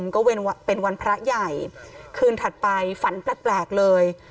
ก็เป็นวันพระใหญ่คืนถัดไปฝันแปลกเลย